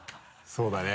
そうだね。